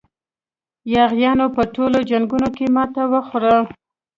یاغیانو په ټولو جنګونو کې ماته وخوړه.